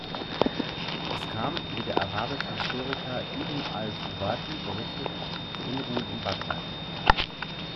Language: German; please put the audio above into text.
Es kam, wie der arabische Historiker Ibn al-Fuwati berichtet, zu Unruhen in Bagdad.